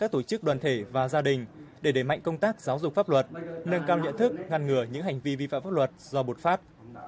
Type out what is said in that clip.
tổ chức đoàn thể và gia đình để đẩy mạnh công tác giáo dục pháp luật nâng cao nhận thức ngăn ngừa những hành vi vi phạm pháp luật do bột phát